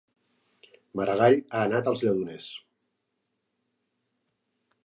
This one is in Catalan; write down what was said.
Maragall ha anat als Lledoners